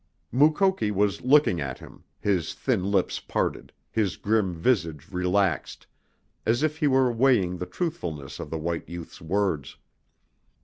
Mukoki was looking at him, his thin lips parted, his grim visage relaxed, as if he were weighing the truthfulness of the white youth's words.